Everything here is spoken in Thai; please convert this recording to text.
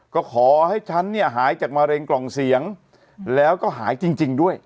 ก็ขอให้ฉันเนี่ยหายจากมะเร็งกล่องเสียงแล้วก็หายจริงด้วย